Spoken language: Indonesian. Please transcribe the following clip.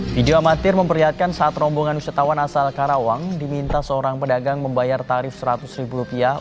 video amatir memperlihatkan saat rombongan wisatawan asal karawang diminta seorang pedagang membayar tarif seratus ribu rupiah